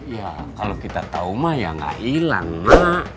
ya kalau kita tahu mak ya gak hilang mak